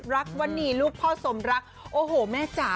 วนีลูกพ่อสมรักโอ้โหแม่จ๋า